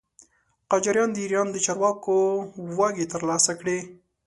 قاجاریان د ایران د چارو واګې تر لاسه کړې.